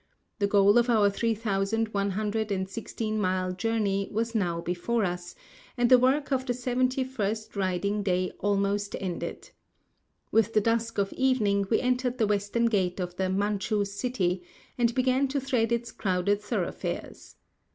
The goal of our three thousand one hundred and sixteen mile journey was now before us, and the work of the seventy first riding day almost ended. With the dusk of evening we entered the western gate of the "Manchu City," and began to thread its crowded thoroughfares.